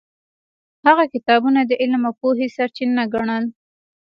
هغه کتابونه د علم او پوهې سرچینه ګڼل.